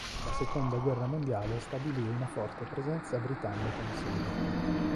La seconda guerra mondiale stabilì una forte presenza britannica in Siria.